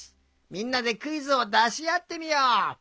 みんなでクイズをだしあってみよう。